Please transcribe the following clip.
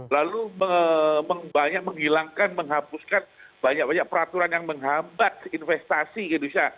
lalu banyak menghilangkan menghapuskan banyak banyak peraturan yang menghambat investasi ke indonesia